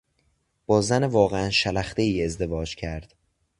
با زن واقعا شلختهای ازدواج کرد.